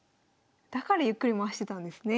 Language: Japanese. だからゆっくり回してたんですね。